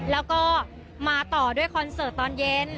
แล้วก็มาต่อด้วยคอนเสิร์ตตอนเย็น